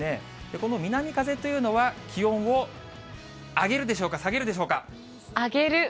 この南風というのは、気温を上げるでしょうか、下げるでしょうか？